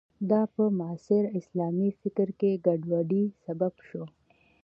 دا په معاصر اسلامي فکر کې ګډوډۍ سبب شو.